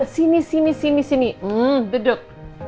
sini sini sini sini sini duduk